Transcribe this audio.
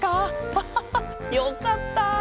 ハハハよかった！